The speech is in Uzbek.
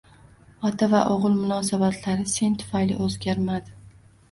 Ota va o`g`il munosabatlari sen tufayli o`zgarmadi